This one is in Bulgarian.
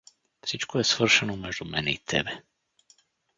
Всичко е свършено между мене и тебе.